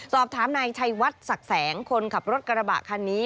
สอบถามนายชัยวัดศักดิ์แสงคนขับรถกระบะคันนี้